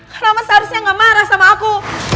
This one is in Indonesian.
kamu seharusnya gak marah sama aku